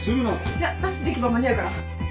いやダッシュで行けば間に合うから。